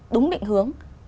đúng định hướng